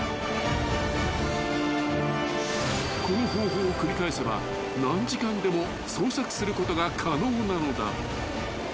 ［この方法を繰り返せば何時間でも捜索することが可能なのだ］